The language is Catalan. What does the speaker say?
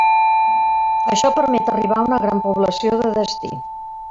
Això permet arribar a una gran població de destí.